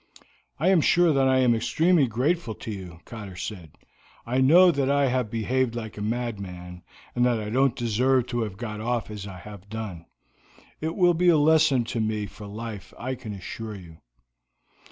"I am sure that I am extremely grateful to you," Cotter said. "I know that I have behaved like a madman, and that I don't deserve to have got off as I have done. It will be a lesson to me for life, I can assure you."